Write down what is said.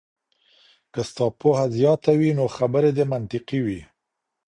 که ستا پوهه زياته وي نو خبري دې منطقي وي.